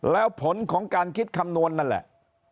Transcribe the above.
แล้วผลของการคิดคำนวณนั่นแหละ